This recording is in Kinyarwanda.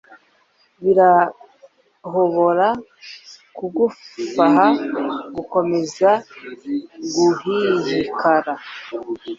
birahobora kugufaha gukomeza guhihikara